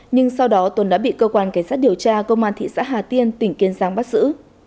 nhưng sau đó tùng đã bị cơ quan cảnh sát điều tra công an thị xã hà tiên tỉnh kiên giang bắt giữ